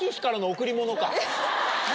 何？